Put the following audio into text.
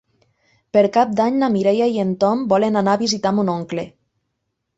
Per Cap d'Any na Mireia i en Tom volen anar a visitar mon oncle.